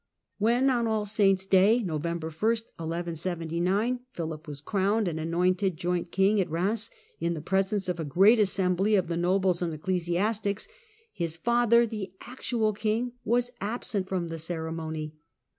When on All Saints' Day (November 1) 1179 Coronation Philip was crowned and anointed joint king at Kheims, Augustus, in the presence of a great assembly of nobles and ecclesi ^^'^^ astics, his father, the actual king, was absent from the ceremony.